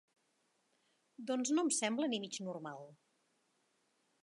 Doncs no em sembla ni mig normal.